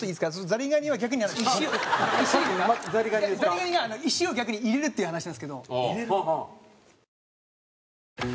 ザリガニが石を逆に入れるっていう話なんですけど。